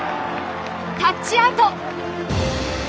タッチアウト。